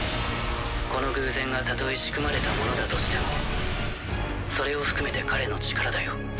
この偶然がたとえ仕組まれたものだとしてもそれを含めて彼の力だよ。